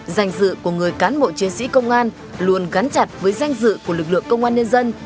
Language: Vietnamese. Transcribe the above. danh dự của người cán bộ chiến sĩ công an luôn gắn chặt với danh dự của lực lượng công an nhân dân